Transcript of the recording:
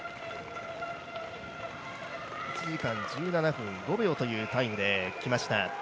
１時間１７分５秒というタイムできました。